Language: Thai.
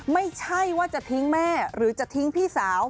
ไม่ใช่ว่าจะทิ้งแม่หรือจะทิ้งพี่สาว